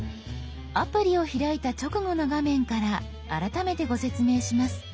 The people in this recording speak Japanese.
アプリを開いた直後の画面から改めてご説明します。